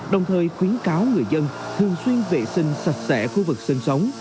đồng thời khuyến cáo người dân thường xuyên vệ sinh sạch sẽ khu vực sinh sống